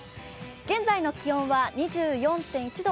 現在の気温は２４．１度。